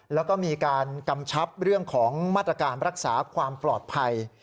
แล้วก็มีการกำชับเรื่องของมาตรการรักษาความปลอดภัย